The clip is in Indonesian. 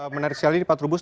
menarik sekali pak trubus